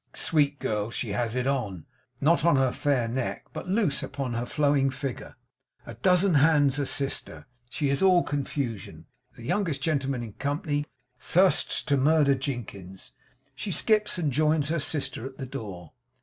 Sweet girl, she has it on; not on her fair neck, but loose upon her flowing figure. A dozen hands assist her. She is all confusion. The youngest gentleman in company thirsts to murder Jinkins. She skips and joins her sister at the door.